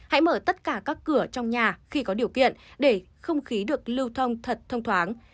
hãy mở tất cả các cửa trong nhà khi có điều kiện để không khí được lưu thông thật thông thoáng